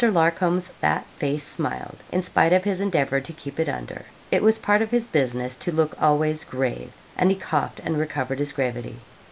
Larcom's fat face smiled, in spite of his endeavour to keep it under. It was part of his business to look always grave, and he coughed, and recovered his gravity.